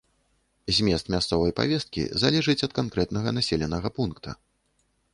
Змест мясцовай павесткі залежыць ад канкрэтнага населенага пункта.